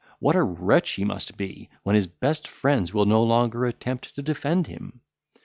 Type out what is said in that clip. what a wretch he must be, when his best friends will no longer attempt to defend him!"